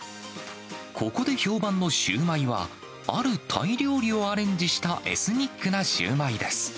ここで評判のシューマイは、あるタイ料理をアレンジしたエスニックなシューマイです。